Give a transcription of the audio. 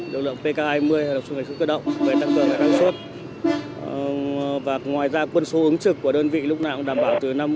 lực lượng pk hai mươi lực lượng tăng cường và ngoài ra quân số ứng trực của đơn vị lúc nào cũng đảm bảo từ năm mươi đến một trăm linh